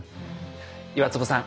岩坪さん